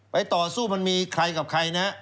ต่อสู้มันมีใครกับใครนะ